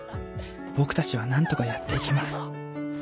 僕たちはなんとかやっていけます